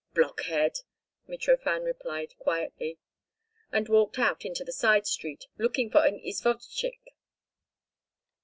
"Blockhead!" Mitrofan replied quietly, and walked out into the side street, looking for an izvozchik.